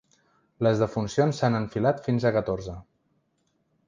Les defuncions s’han enfilat fins a catorze.